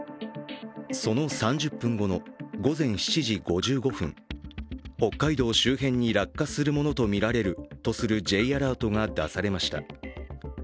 その３０分後の午前７時５５分、北海道周辺に落下するものとみられるとするＪアラートが出されました。